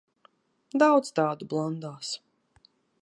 Daudz tādu blandās.